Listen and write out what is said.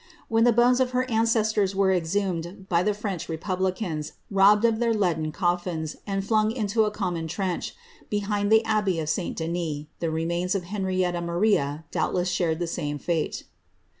When the nes of her ancestors were exhumed by the French republicans, robbed their leaden coffins, and flung into a common trench, behind the bey of St. Denis, the remains of Henrietta Maria doubtless shared the ie fate.